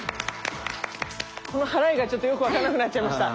この払いがちょっとよく分からなくなっちゃいました。